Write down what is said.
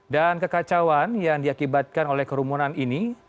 dan kekacauan yang diakibatkan oleh kerumunan ini